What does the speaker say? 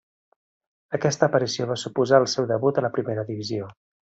Aquesta aparició va suposar el seu debut a la Primera Divisió.